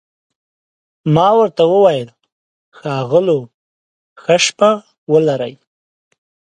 ما ورته وویل: ښاغلو، ښه شپه ولرئ.